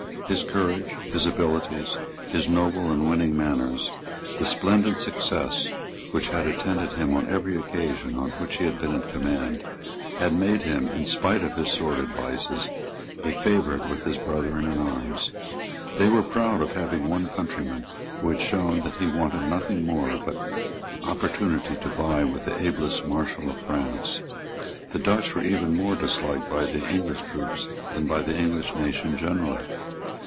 His courage, his abilities, his noble and winning manners, the splendid success which had attended him on every occasion on which he had been in command, had made him, in spite of his sordid vices, a favourite with his brethren in arms. They were proud of having one countryman who had shown that he wanted nothing but opportunity to vie with the ablest Marshal of France. The Dutch were even more disliked by the English troops than by the English nation generally.